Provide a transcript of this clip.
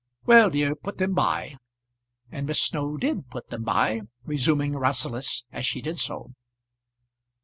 "Well, dear, put them by." And Miss Snow did put them by, resuming Rasselas as she did so.